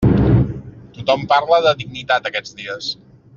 Tothom parla de dignitat, aquests dies.